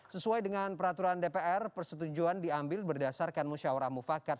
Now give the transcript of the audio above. sesuai dengan peraturan dpr persetujuan diambil berdasarkan musyawarah mufakat